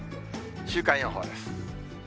週間予報です。